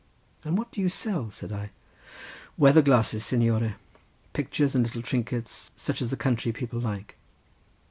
"And what do you sell?" said I. "Weather glasses, signore—pictures and little trinkets, such as the country people like."